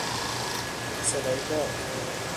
صدای باد